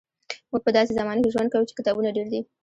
موږ په داسې زمانه کې ژوند کوو چې کتابونه ډېر دي.